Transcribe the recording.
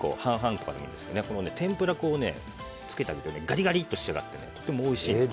この天ぷら粉をつけてあげるとガリガリっと仕上がってとてもおいしいです。